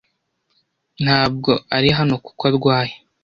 Ntabwo ari hano kuko arwaye.